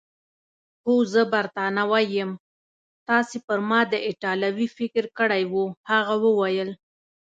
هو، زه بریتانوی یم، تاسي پر ما د ایټالوي فکر کړی وو؟ هغه وویل.